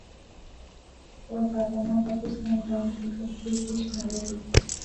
তাঁর বাবা-মা পাকিস্তানি বংশোদ্ভূত ব্রিটিশ নাগরিক।